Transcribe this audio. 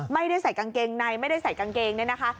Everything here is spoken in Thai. ไม่ได้ใส่กางเกงในไม่ได้ใส่กางเกงเนี่ยนะคะ